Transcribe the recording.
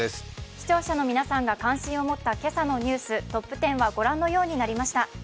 視聴者の皆さんが関心を持った今朝のニュース、トップ１０はご覧のようになりました。